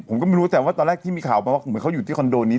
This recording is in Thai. ผมก็ไม่รู้แทนว่าตอนแรกที่มีค่ามามีคำว่าเขาอยู่ถี่คอนโดนี้